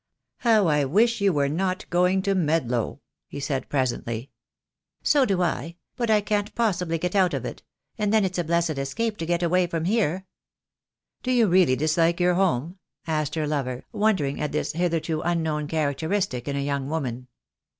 "How I wish you were not going to Medlow," he said presently. "So do I; but I can't possibly get out of it, and then it's a blessed escape to get away from here." "Do you really dislike your home?" asked her lover, wondering at this hitherto unknown characteristic in a young woman.